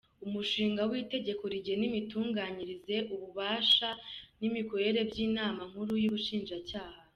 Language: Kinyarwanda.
Umushinga w’Itegeko rigena imitunganyirize, ububasha n’imikorere by’Inama Nkuru y’Ubushinjacyaha;.